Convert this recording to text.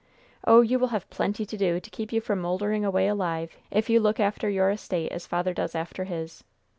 Oh, you will have plenty to do to keep you from moldering away alive, if you look after your estate as father does after his.